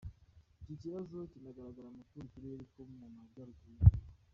Iki kibazo kinagaragara mu tundi turere two mu majyaruguru y’igihugu.